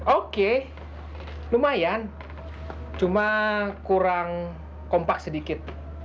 oke lumayan cuma kurang kompak sedikit